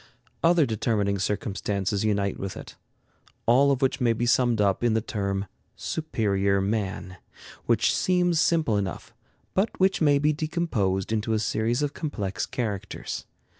Other determining circumstances unite with it, all of which may be summed up in the term "superior man," which seems simple enough, but which may be decomposed into a series of complex characters.